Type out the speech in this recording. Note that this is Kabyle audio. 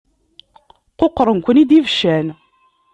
Quqṛen-ken-id ibeccan.